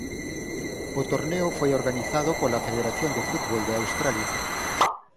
O torneo foi organizado pola Federación de Fútbol de Australia.